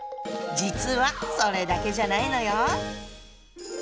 実はそれだけじゃないのよ。